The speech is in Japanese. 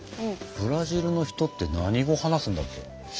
ブラジルの人って何語話すんだっけ？